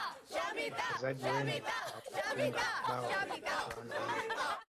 wachezaji wengi hawakufunga mabao kwenye michuano hiyo